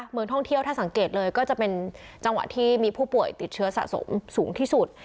เมืองท่องเที่ยวถ้าสังเกตเลยก็จะเป็นจังหวะที่มีผู้ป่วยติดเชื้อสะสมสูงที่สุด